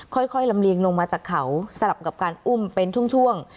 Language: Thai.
ค่อยลำเลียงลงมาจากเขาสลับกับการอุ้มเป็นช่วง